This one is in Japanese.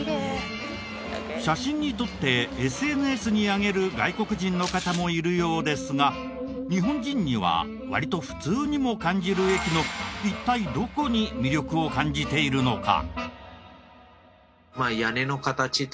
写真に撮ってＳＮＳに上げる外国人の方もいるようですが日本人には割と普通にも感じる駅の一体どこに魅力を感じているのか？